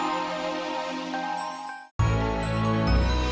dia akan atau mau menembakku